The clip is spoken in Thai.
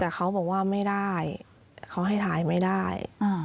แต่เขาบอกว่าไม่ได้เขาให้ถ่ายไม่ได้